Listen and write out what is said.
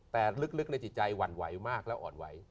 แต่ลึกในจิตใจหวั่นไหวมากและอ่อนไหว